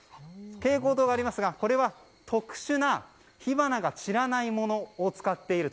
蛍光灯がありますがこれは特殊な火花が散らないものを使っている。